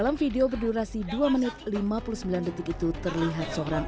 mari selamat datang